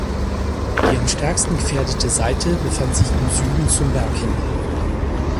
Die am stärksten gefährdete Seite befand sich im Süden zum Berg hin.